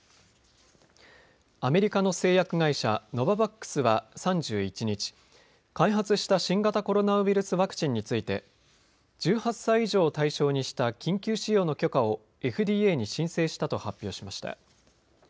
アメリカの製薬会社、ノババックスは３１日、開発した新型コロナウイルスワクチンについて１８歳以上を対象にした緊急使用の許可をＦＤＡに申請したと発表しました。